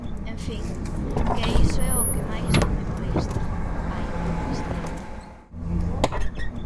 En fin, que iso é o que máis me molesta: a hipocrisía.